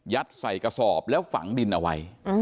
ใส่กระสอบแล้วฝังดินเอาไว้